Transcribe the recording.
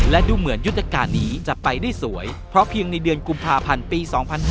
และดูเหมือนยุทธการนี้จะไปได้สวยเพราะเพียงในเดือนกุมภาพันธ์ปี๒๕๕๙